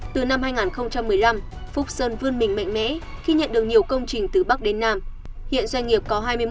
từ năm hai nghìn một mươi năm phúc sơn vươn mình mạnh mẽ